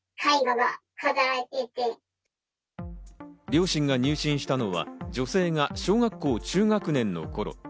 両親が入信したのは女性が小学校中学年の頃。